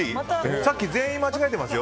さっき全員間違えてますよ。